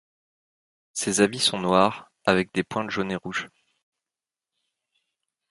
Ses habits sont noirs, avec des pointe jaunes et rouges.